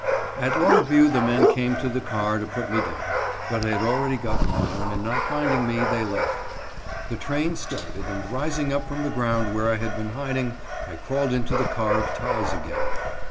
At Longview the men came to the car to put me down, but I had already gotten down, and not finding me, they left. The train started, and rising up from the ground, where I had been hiding, I crawled into the car of ties again.